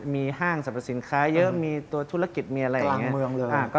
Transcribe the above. มีห้างสรรพสินค้าเยอะมีตัวธุรกิจมีอะไรหลังเมืองเลย